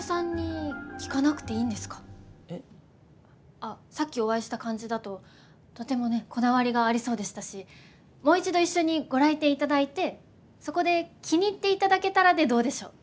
あっさっきお会いした感じだととてもねこだわりがありそうでしたしもう一度一緒にご来店頂いてそこで気に入って頂けたらでどうでしょう？